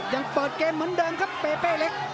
ยังเปิดเกมเหมือนเดิมครับเปเป้เล็ก